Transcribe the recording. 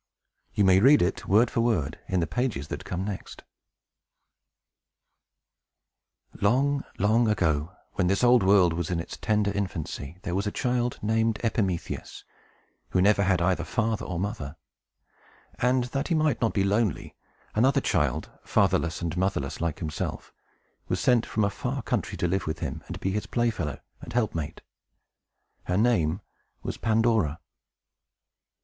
You may read it, word for word, in the pages that come next. THE PARADISE OF CHILDREN Long, long ago, when this old world was in its tender infancy, there was a child, named Epimetheus, who never had either father or mother; and, that he might not be lonely, another child, fatherless and motherless like himself, was sent from a far country, to live with him, and be his playfellow and helpmate. Her name was Pandora.